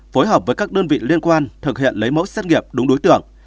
phối hợp với các đơn vị liên quan thực hiện lấy mẫu xét nghiệm đúng đối tượng